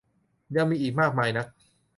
ยังมีอีกมากมายนัก